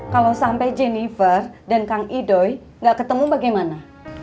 kalau sampai jennifer dan kang idoy gak ketemu bagaimana